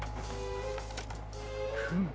フム。